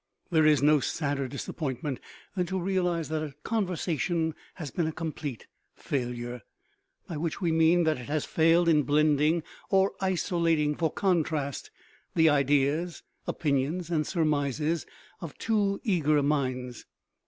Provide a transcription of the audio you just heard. There is no sadder disappointment than to realize that a conversation has been a complete failure. By which we mean that it has failed in blending or isolating for contrast the ideas, opinions and surmises of two eager minds.